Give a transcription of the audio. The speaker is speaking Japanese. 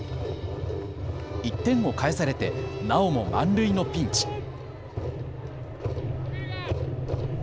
１点を返されてなおも満塁のピンチ。